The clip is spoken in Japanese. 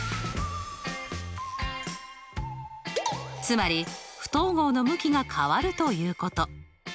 つまり不等号の向きが変わるということ。